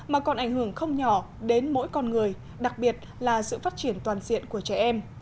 mà còn ảnh hưởng không nhỏ đến mỗi con người đặc biệt là sự phát triển toàn diện của trẻ em